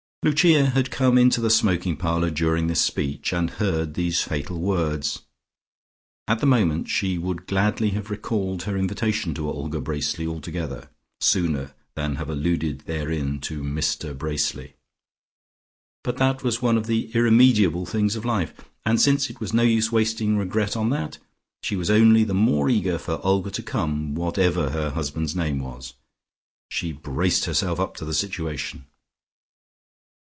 Lucia had come into the smoking parlour during this speech, and heard these fatal words. At the moment she would gladly have recalled her invitation to Olga Bracely altogether, sooner than have alluded therein to Mr Bracely. But that was one of the irremediable things of life, and since it was no use wasting regret on that, she was only the more eager for Olga to come, whatever her husband's name was. She braced herself up to the situation.